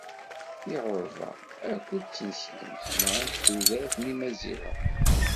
Tiɛuṛba akked tineslemt nɣant tudert n yimaziɣen.